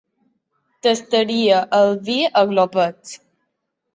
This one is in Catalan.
Tastaria el vi a glopets.